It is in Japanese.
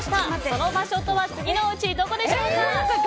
その場所とは次のうちどこでしょうか。